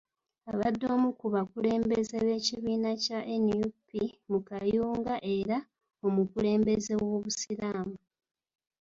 Abadde omu ku bakulembeze b’ekibiina kya NUP mu Kayunga era omukulembeze w’obusiraamu.